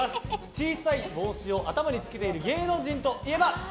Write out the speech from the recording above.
小さい帽子を頭につけている芸能人といえば？